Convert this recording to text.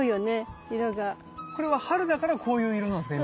これは春だからこういう色なんですか？